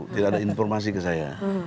tidak ada informasi ke saya